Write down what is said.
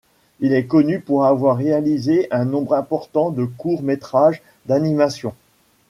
Il est connu pour avoir réalisé un nombre important de courts métrages d'animation.